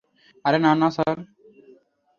আরে, না না, স্যার।